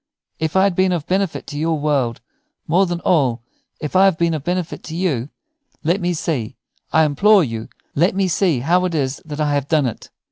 If I have been of benefit to your world; more than all, if I have been of benefit to you, let me see, I implore you let me see how it is that I have done it."